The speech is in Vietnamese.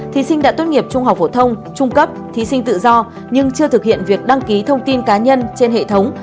thí sinh đã tốt nghiệp trung học phổ thông trung cấp thí sinh tự do nhưng chưa thực hiện việc đăng ký thông tin cá nhân trên hệ thống